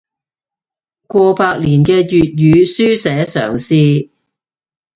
過百年嘅粵語書寫嘗試